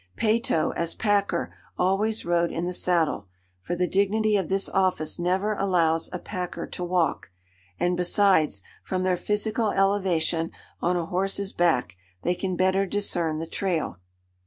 Peyto, as packer, always rode in the saddle, for the dignity of this office never allows a packer to walk, and besides, from their physical elevation on a horse's back they can better discern the trail.